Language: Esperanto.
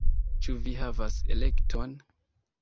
Ĉu vi havas elekton?